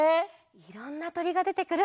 いろんなとりがでてくる